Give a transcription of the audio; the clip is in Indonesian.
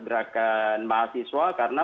gerakan mahasiswa karena